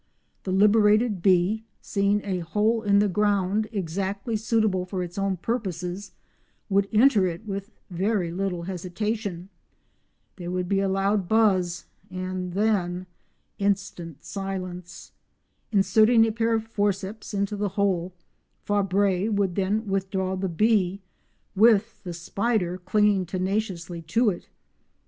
The liberated bee, seeing a hole in the ground exactly suitable for its own purposes, would enter it with very little hesitation. There would be a loud buzz and then instant silence. Inserting a pair of forceps into the hole, Fabre would then withdraw the bee with the spider clinging tenaciously to it.